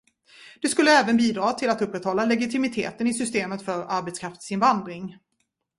Det skulle även bidra till att upprätthålla legitimiteten i systemet för arbetskraftsinvandring.